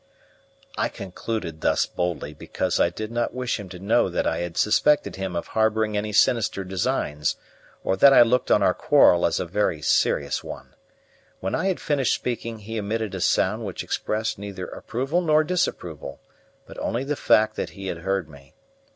'" I concluded thus boldly because I did not wish him to know that I had suspected him of harbouring any sinister designs, or that I looked on our quarrel as a very serious one. When I had finished speaking he emitted a sound which expressed neither approval nor disapproval, but only the fact that he had heard me.